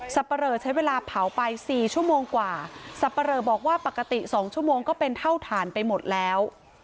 ปะเลอใช้เวลาเผาไป๔ชั่วโมงกว่าสับปะเลอบอกว่าปกติ๒ชั่วโมงก็เป็นเท่าฐานไปหมดแล้ว